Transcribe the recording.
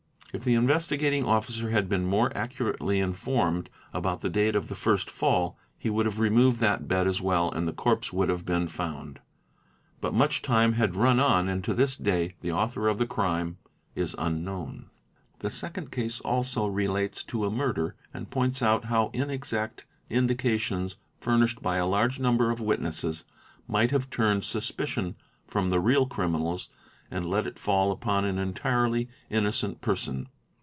If the Investigating Officer had been more accurately informed about the date of the first fall, he would have removed that bed as well and the corpse would have been found. But much time had run on and to this day the author of the crime is_ unknown. The second case also relates to a murder and points out how inexact indications furnished by a large number of witnesses might have turned suspicion from the real criminals and let it fall upon an entirely innocent person.